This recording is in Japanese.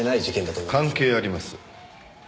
関係あります。